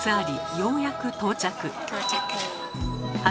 ようやく到着。